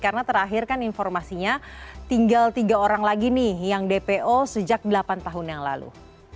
karena terakhir kan informasinya tinggal tiga orang lagi nih yang dpo sejak delapan tahun yang lalu